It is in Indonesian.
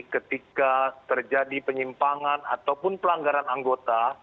ketika terjadi penyimpangan ataupun pelanggaran anggota